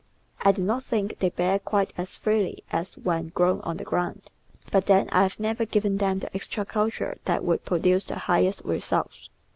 I do not think they bear quite as freely as when grown on the ground, but then I have never given them the extra culture that would produce the highest re sults.